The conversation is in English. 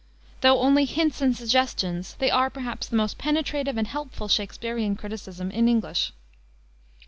Though only hints and suggestions, they are, perhaps, the most penetrative and helpful Shaksperian criticism in English.